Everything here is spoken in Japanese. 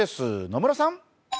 野村さん。